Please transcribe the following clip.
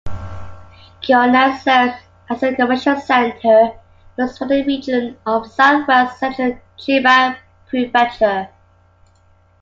Kyonan serves as a commercial center for the surrounding region of southwest-central Chiba Prefecture.